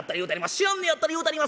知らんねやったら言うたります。